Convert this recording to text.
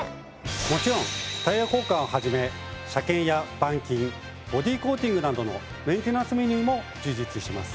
もちろんタイヤ交換を始め車検や板金ボディーコーティングなどのメンテナンスメニューも充実しています。